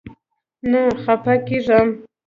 نه خپه کيږم